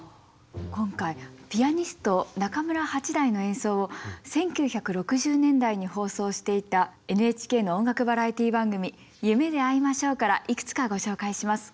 今回ピアニスト中村八大の演奏を１９６０年代に放送していたＮＨＫの音楽バラエティー番組「夢であいましょう」からいくつかご紹介します。